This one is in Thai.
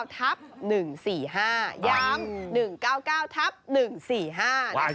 ๑๙๙ทับ๑๔๕ย้ำ๑๙๙ทับ๑๔๕นะครับ